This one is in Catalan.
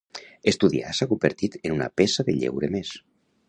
Estudiar s'ha convertit en una peça de lleure més.